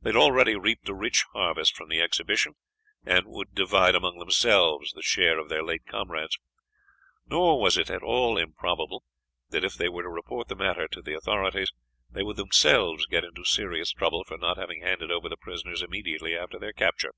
They had already reaped a rich harvest from the exhibition, and would divide among themselves the share of their late comrades; nor was it at all improbable that if they were to report the matter to the authorities they would themselves get into serious trouble for not having handed over the prisoners immediately after their capture.